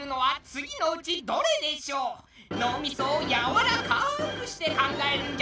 脳みそをやわらかくして考えるんじゃぞ。